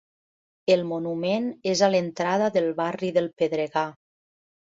El monument és a l'entrada del barri del Pedregar.